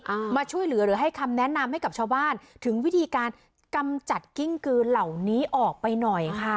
มาช่วยเหลือหรือให้คำแนะนำให้กับชาวบ้านถึงวิธีการกำจัดกิ้งกือเหล่านี้ออกไปหน่อยค่ะ